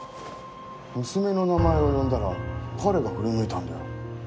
娘の名前を呼んだら彼が振り向いたんだよ。